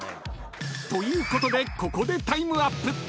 ［ということでここでタイムアップ］